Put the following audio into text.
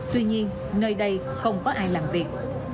tuy nhiên nơi đây không có ai làm việc